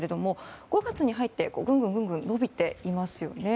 ５月に入ってぐんぐん伸びていますよね。